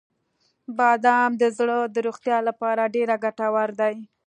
• بادام د زړه د روغتیا لپاره ډیره ګټور دی.